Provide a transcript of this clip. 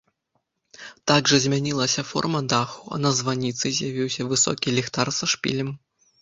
Так жа змянілася форма даху, а на званіцы з'явіўся высокі ліхтар са шпілем.